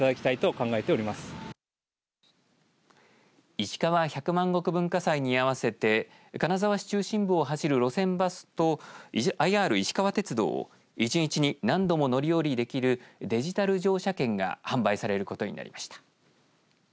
いしかわ百万石文化祭に合わせて金沢市中心部を走る路線バスとＩＲいしかわ鉄道を１日に何度もの乗り降りできるデジタル乗車券が販売されることになりました。